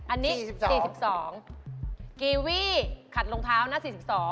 อันนี้๔๒บาทกีวีขัดรองเท้าหน้า๔๒บาท